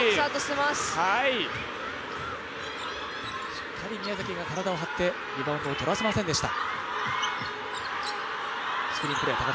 しっかり宮崎が体を張ってリバウンドを取らせませんでした。